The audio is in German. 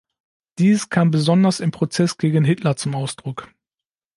Dies kam besonders im Prozess gegen Hitler zum Ausdruck.